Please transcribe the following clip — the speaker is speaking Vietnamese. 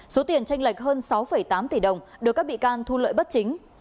số tiền tranh lệch hơn sáu tám tỷ đồng được các bị can thu lợi bất chính